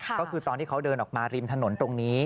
ก็คือตอนที่เขาเดินออกมาริมถนนตรงนี้